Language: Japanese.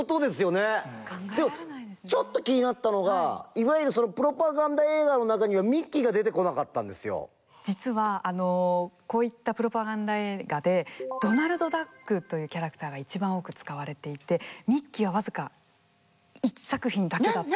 でもちょっと気になったのがいわゆるその実はこういったプロパガンダ映画でドナルドダックというキャラクターが一番多く使われていてミッキーは僅か１作品だけだった。